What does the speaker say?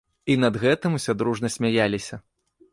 І над гэтым усе дружна смяяліся.